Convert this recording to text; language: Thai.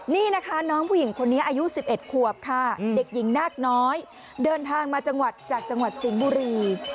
นี่นะคะน้องผู้หญิงคนนี้อายุ๑๑ขวบค่ะเด็กหญิงนาคน้อยเดินทางมาจังหวัดจากจังหวัดสิงห์บุรี